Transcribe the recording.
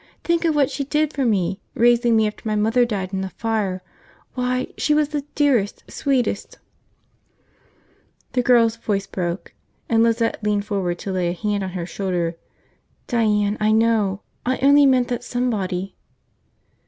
Think of what she did for me, raising me after my mother died in the fire! Why, she was the dearest, sweetest ..." The girl's voice broke, and Lizette leaned forward to lay a hand on her shoulder. "Diane, I know! I only meant that somebody